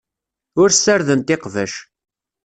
Ur ssardent iqbac.